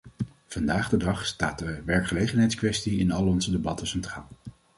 Vandaag de dag staat de werkgelegenheidskwestie in al onze debatten centraal.